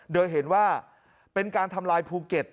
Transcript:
โดยเห็นว่าเป็นการทำลายภูเก็ต